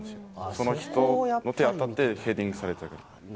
その人の手に当たってヘディングされた。